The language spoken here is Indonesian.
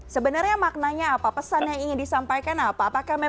sebenarnya maknanya apa pesan yang ingin disampaikan apa